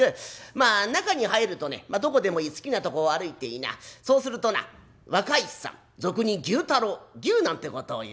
まあ中に入るとねどこでもいい好きなとこを歩いていなそうするとな若い衆さん俗に牛太郎牛なんてことをいうがな